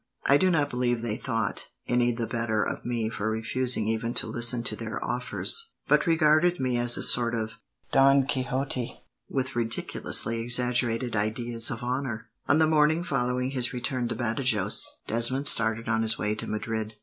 I do not believe they thought any the better of me for refusing even to listen to their offers, but regarded me as a sort of Don Quixote, with ridiculously exaggerated ideas of honour." On the morning following his return to Badajos, Desmond started on his way to Madrid.